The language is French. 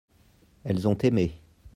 elles ont aimé.